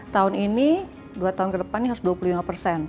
tahun ini dua tahun ke depannya harus dua puluh lima